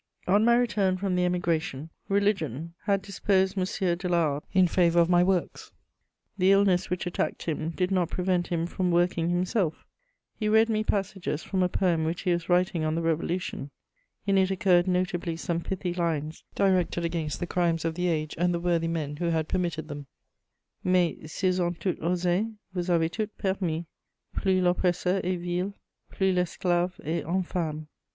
] On my return from the Emigration, religion had disposed M. de La Harpe in favour of my works: the illness which attacked him did not prevent him from working himself; he read me passages from a poem which he was writing on the Revolution; in it occurred notably some pithy lines directed against the crimes of the age and the "worthy men" who had permitted them: Mais s'ils ont tout osé, vous avez tout permis: Plus l'oppresseur est vil, plus l'esclave est infâme.